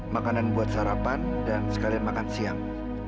makanan buat sarapan dan sekalian makan siang